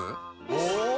お！